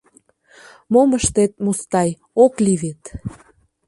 — Мом ыштет, Мустай, ок лий вет!